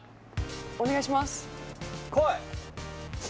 お願いしますこい！